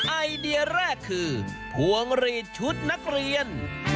ไอเดียแรกคือพวงหลีดชุดนักเรียน